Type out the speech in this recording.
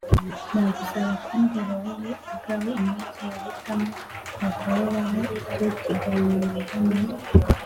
nagusaba kumbwira wowe ubwawe umunsi uhitamo twakoreraho icyo kiganiro muri